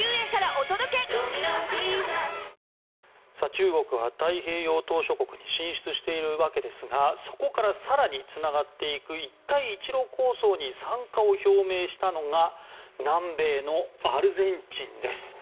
中国は太平洋島しょ国に進出しているわけですがそこから更につながっていく一帯一路構想に参加を表明したのが南米のアルゼンチンです。